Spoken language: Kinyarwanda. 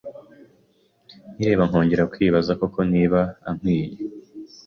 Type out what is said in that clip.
nkireba nkongera kwibaza koko niba ankwiye,